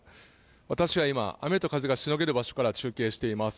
私は今雨と風がしのげる場所から中継しています。